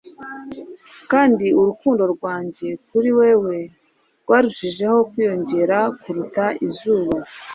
Kandi urukundo rwanjye kuri wewe rwarushijeho kwiyongera kuruta izuba